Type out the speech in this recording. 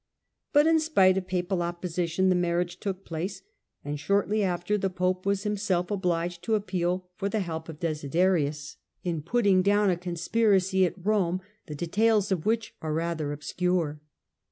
But in spite of Papal opposition the larriage took place, and shortly after, the Pope was imself obliged to appeal for the help of Desiderius 148 THE DAWN OF MEDIAEVAL EUROPE in putting down a conspiracy at Kome, the details of which are rather obscure.